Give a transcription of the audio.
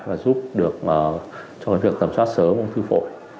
và giúp được cho việc tầm soát sớm ung thư phổi